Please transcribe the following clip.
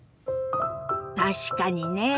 確かにね。